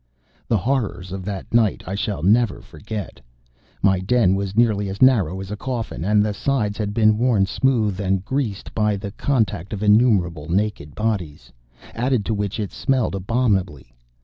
The horrors of that night I shall never forget. My den was nearly as narrow as a coffin, and the sides had been worn smooth and greasy by the contact of innumerable naked bodies, added to which it smelled abominably.